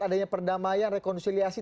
adanya perdamaian rekonsiliasi